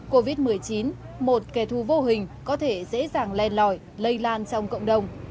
covid một mươi chín một kẻ thù vô hình có thể dễ dàng len lỏi lây lan trong cộng đồng